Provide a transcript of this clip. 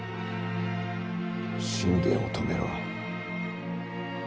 信玄を止めろ。